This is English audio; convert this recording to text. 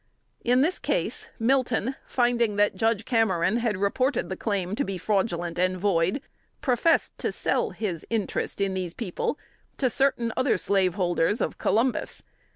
In this case, Milton, finding that Judge Cameron had reported the claim to be fraudulent and void, professed to sell his interest in these people to certain other slaveholders, of Columbus.